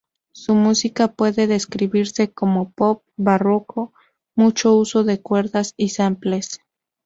Su música puede describirse como pop barroco; mucho uso de cuerdas y samples.